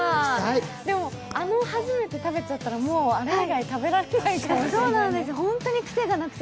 でも、あの初めて食べちゃったら、もうあれ以外食べられないかもしれない。